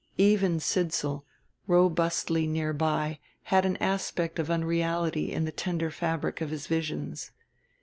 Even Sidsall, robustly near by, had an aspect of unreality in the tender fabric of his visions.